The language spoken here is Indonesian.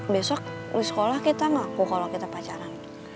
besok di sekolah kita ngaku kalau kita pacaran